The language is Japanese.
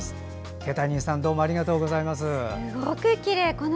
けたにんさんどうもありがとうございます。